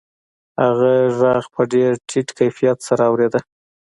هغه غږ په ډېر ټیټ کیفیت سره اورېده